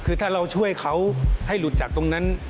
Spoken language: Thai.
คือถ้าเราช่วยเขาให้หลุดจากตรงนั้น